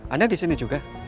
anda disini juga